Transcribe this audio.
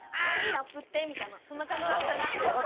ラップって」みたいなそんな感じだったんですよ。